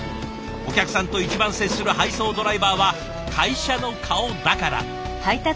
お客さんと一番接する配送ドライバーは会社の顔だから。